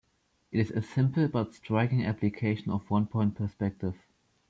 It is a simple but striking application of one-point perspective.